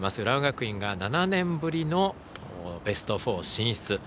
浦和学院が７年ぶりのベスト４進出。